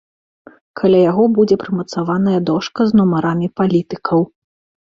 Каля яго будзе прымацаваная дошка з нумарамі палітыкаў.